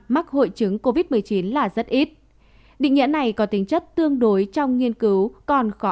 mắc hội chứng covid một mươi chín là rất ít định nghĩa này có tính chất tương đối trong nghiên cứu còn khó